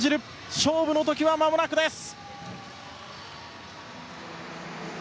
勝負の時は間もなくです。